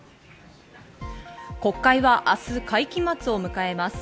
国会は明日、会期末を迎えます。